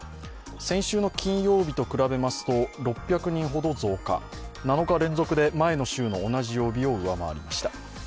先週の金曜日と比べますと６００人ほど増加、７日連続で前の週の同じ曜日を上回りました。